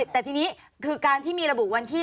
แต่ทีนี้คือการที่มีระบุวันที่๑